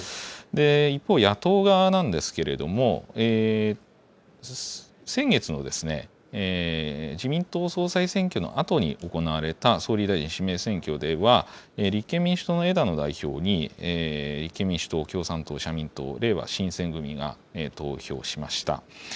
一方、野党側なんですけれども、先月の自民党総裁選挙のあとに行われた総理大臣指名選挙では、立憲民主党の枝野代表に、立憲民主党、共産党、社民党、れいわ新選組が投票しました。